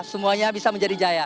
semuanya bisa menjadi jaya